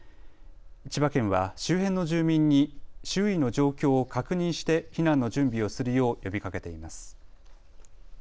千葉県は周辺の住民に周囲の状況を確認して避難の準備をするよう呼びかけています。